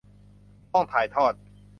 ห้องถ่ายทอด